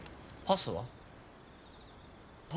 パスは？